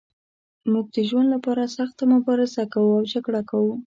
موږ د ژوند لپاره سخته مبارزه کوو او جګړه کوو.